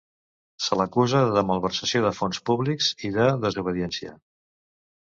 Se l’acusa de malversació de fons públics i de desobediència.